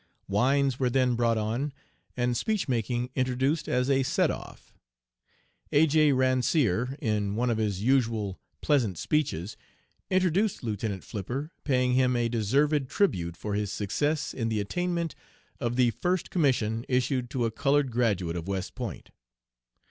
"Wines were then brought on, and speech making introduced as a set off. A. J. Ransier, in one of his usual pleasant speeches, introduced Lieutenant Flipper, paying him a deserved tribute for his success in the attainment of the first commission issued to a colored graduate of West Point.